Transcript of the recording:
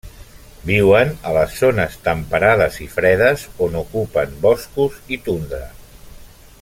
Viuen a les zones temperades i fredes, on ocupen boscos i tundra.